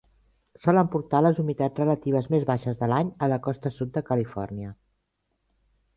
Solen portar les humitats relatives més baixes de l"any a la costa sud de Califòrnia.